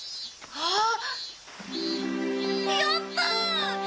あっ！